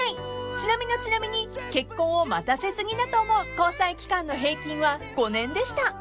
［チナミのチナミに結婚を待たせ過ぎだと思う交際期間の平均は５年でした］